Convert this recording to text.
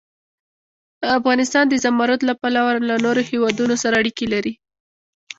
افغانستان د زمرد له پلوه له نورو هېوادونو سره اړیکې لري.